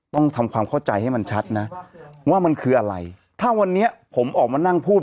ต้องทำความเข้าใจให้มันชัดนะว่ามันคืออะไรถ้าวันนี้ผมออกมานั่งพูด